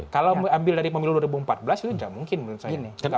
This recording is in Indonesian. kalau ambil dari pemilu dua ribu empat belas itu tidak mungkin menurut saya nih